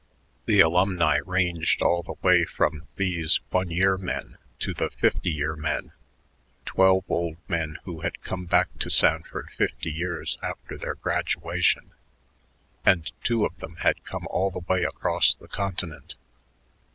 The alumni ranged all the way from these one year men to the fifty year men, twelve old men who had come back to Sanford fifty years after their graduation, and two of them had come all the way across the continent.